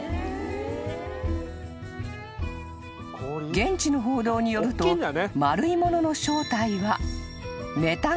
［現地の報道によると丸いものの正体は］